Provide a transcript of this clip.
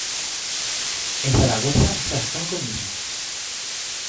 En Zaragoza xa están con iso.